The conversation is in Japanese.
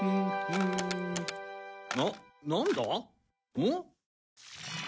うん？